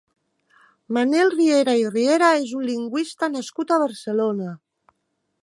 Manel Riera i Riera és un lingüista nascut a Barcelona.